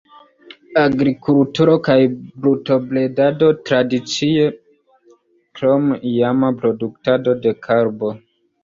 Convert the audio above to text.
Agrikulturo kaj brutobredado tradicie, krom iama produktado de karbo.